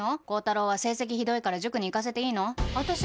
高太郎は成績ひどいから塾に行かせていいの？